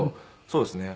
そうですね。